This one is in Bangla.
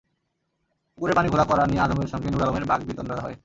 পুকুরের পানি ঘোলা করা নিয়ে আজমের সঙ্গে নূর আলমের বাগ্বিতণ্ডা হয়।